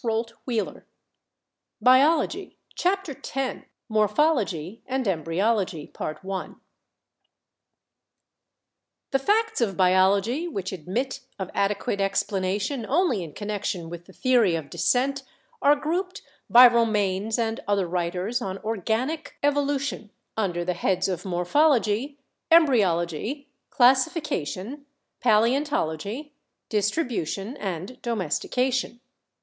CHAPTER X EVIDENCES OF ORGANIC DESCENT J MORPHOLOGY AND EM BRYOLOGY The facts of biology which admit of adequate explana tion only in connection with the theory of descent are grouped by Romanes and other writers on organic evolu tion under the heads of morphology, embryology, classifi cation, paleontology, distribution and domestication.